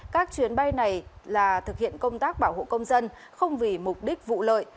các chuyến bay này là thực hiện công tác bảo hộ công dân không vì mục đích vụ lợi